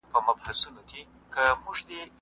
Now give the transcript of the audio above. ښوونکی اوس په پښتو تدریس کوي.